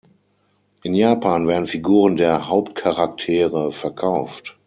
In Japan werden Figuren der Hauptcharaktere verkauft.